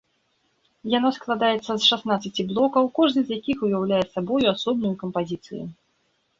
Яно складаецца з шаснаццаці блокаў, кожны з якіх уяўляе сабою асобную кампазіцыю.